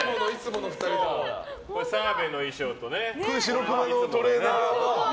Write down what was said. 澤部の衣装とね。